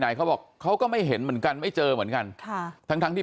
เขาบอกเขาก็ไม่เห็นเหมือนกันไม่เจอเหมือนกันค่ะทั้งทั้งที่